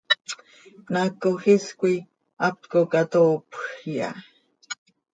Pnaacöl is coi haptco cahtoopj iha.